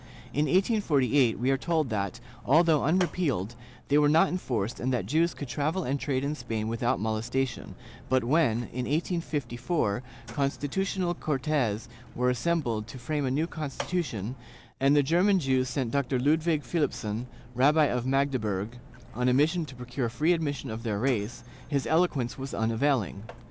In 1848 we are told that, although unrepealed, they were not enforced and that Jews could travel and trade in Spain without molestation,^ but when, in 1854, Constitutional Cortes were assembled to frame a new con stitution, and the German Jews sent Dr. Ludwig Philipson, Rabbi of Magdeburg, on a mission to procure free admission of their race, his eloquence was unavailing.